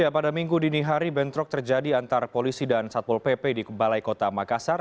pada minggu dini hari bentrok terjadi antar polisi dan satpol pp di kebalai kota makassar